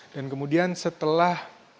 dan kemudian setelah